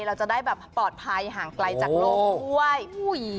เราจะได้แบบปลอดภัยห่างไกลจากโลกด้วย